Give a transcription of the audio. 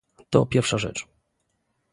To pierwsza rzecz